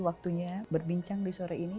waktunya berbincang di sore ini